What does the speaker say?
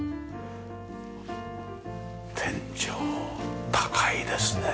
天井高いですね